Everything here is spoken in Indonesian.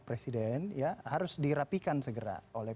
presiden ya harus dirapikan segera oleh